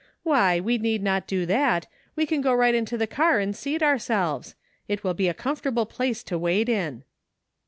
Why, we need not do that; we can go right into the car and seat ourselves; it will be a comfortable place to wait in."